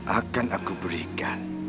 akan aku berikan